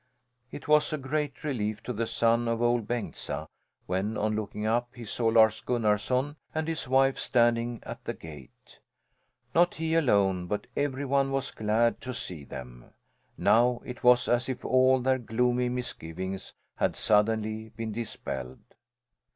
It was a great relief to the son of Ol' Bengtsa when on looking up he saw Lars Gunnarson and his wife standing at the gate. Not he alone, but every one was glad to see them. Now it was as if all their gloomy misgivings had suddenly been dispelled.